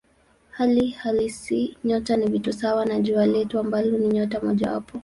Hali halisi nyota ni vitu sawa na Jua letu ambalo ni nyota mojawapo.